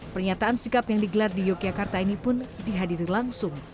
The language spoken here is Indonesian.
pernyataan sikap yang digelar di yogyakarta ini pun dihadiri langsung